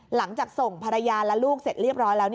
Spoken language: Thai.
หลังจากส่งภรรยาและลูกเสร็จเรียบร้อยแล้ว